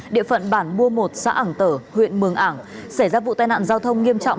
địa phận bản mua một xã ảng tở huyện mường ảng xảy ra vụ tai nạn giao thông nghiêm trọng